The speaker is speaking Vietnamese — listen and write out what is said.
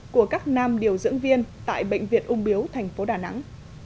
của các nam điều dưỡng viên tại bệnh viện úng biếu tp đà nẵng